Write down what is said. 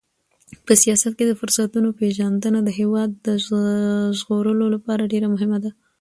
په سیاست کې د فرصتونو پیژندنه د هېواد د ژغورلو لپاره ډېره مهمه ده.